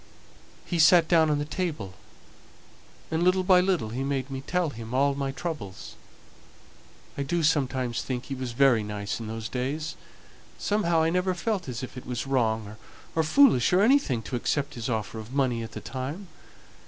He sate down on the table, and little by little he made me tell him all my troubles. I do sometimes think he was very nice in those days. Somehow I never felt as if it was wrong or foolish or anything to accept his offer of money at the time.